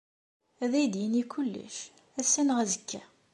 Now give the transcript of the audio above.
Ad iyi-d-yini kullec, ass-a neɣ azekka.